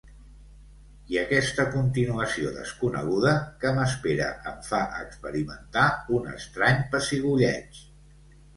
I aquesta continuació desconeguda que m'espera em fa experimentar un estrany pessigolleig.